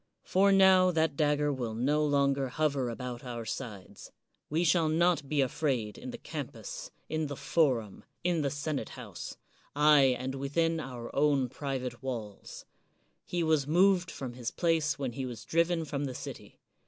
For now that dagger will no longer hover about our sides; we shall not be afraid in the campus, in the forum, in the senate house, — aye, and within our own private walls. He was moved from his place when he was driven from the city.